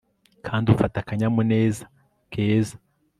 kandi ufata akanyamuneza keza